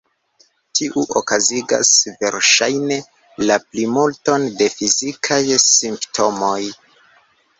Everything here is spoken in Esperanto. Tiu okazigas verŝajne la plimulton de fizikaj simptomoj.